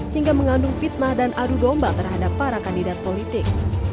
hingga mengandung fitnah dan adu domba terhadap para kandidat politik